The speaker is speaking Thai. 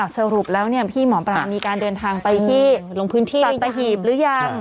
สรุปแล้วพี่หมอปลามีการเดินทางไปที่ลงพื้นที่สัตหีบหรือยัง